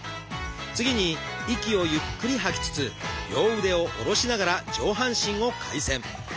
次に息をゆっくり吐きつつ両腕を下ろしながら上半身を回旋。